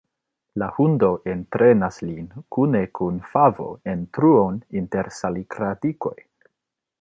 La hundo entrenas lin kune kun Favo en truon inter salikradikoj.